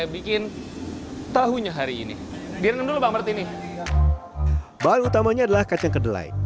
bahan utamanya adalah kacang kedelai